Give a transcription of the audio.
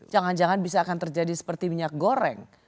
jangan jangan bisa akan terjadi seperti minyak goreng